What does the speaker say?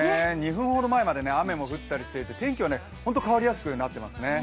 ２分ほど前まで雨も降ったりしていて、天気も変わりやすくなっています。